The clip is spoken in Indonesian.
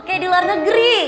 kayak di luar negeri